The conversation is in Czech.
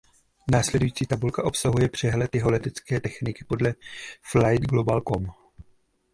Následující tabulka obsahuje přehled jeho letecké techniky podle Flightglobal.com.